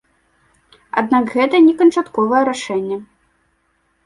Аднак гэта не канчатковае рашэнне.